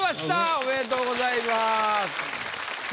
おめでとうございます。